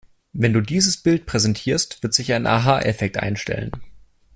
Wenn du dieses Bild präsentierst, wird sich ein Aha-Effekt einstellen.